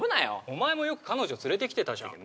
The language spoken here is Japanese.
お前もよく彼女連れてきてたじゃん